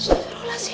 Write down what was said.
sudah terolah sim